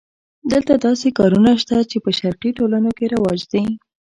دلته داسې کارونه شته چې په شرقي ټولنو کې رواج دي.